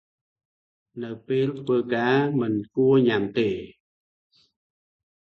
នៅពេលធ្វើការ មិនគួរញ៉ាំទេ ។